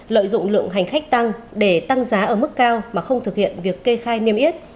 lợi dụng lượng hành khách tăng để tăng giá ở mức cao mà không thực hiện việc kê khai niêm yết